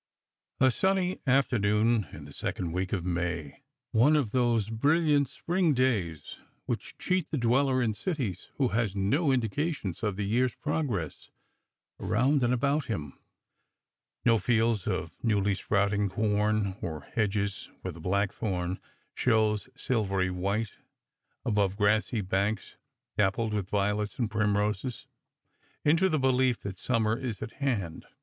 A suNNT afternoon in the second week of May, one of those brilliant spring days which cheat the dweller in cities, who has no indications of the year's progress around and about him — no fields of newly sprouting corn, or hedges where the black thorn shows silvery white above grassy banks dappled with violets and primroses — into the belief that summer is at hand.